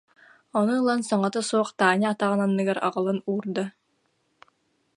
Ону ылан саҥата суох Таня атаҕын анныгар аҕалан уурда